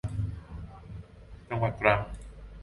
จังหวัดตรัง